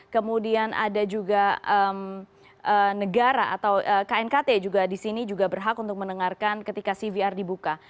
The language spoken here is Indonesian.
kemudian ada juga negara atau knkt juga di sini juga berhak untuk mendengarkan ketika cvr dibuka